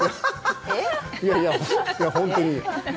いやいや本当に。